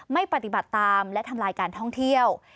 ไม่ปฏิบัติตามและทำลายการท่องเที่ยว